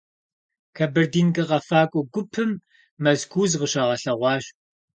«Кабардинкэ» къэфакӏуэ гупым Мэзкуу зыкъыщагъэлъэгъуащ.